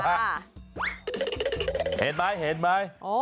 เห็นไหม